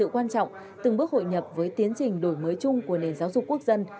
quan trọng từng bước hội nhập với tiến trình đổi mới chung của nền giáo dục quốc dân